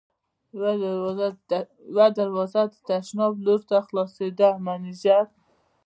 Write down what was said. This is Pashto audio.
یوه دروازه د تشناب لور ته خلاصېده، مېنېجر.